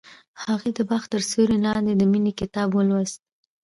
هغې د باغ تر سیوري لاندې د مینې کتاب ولوست.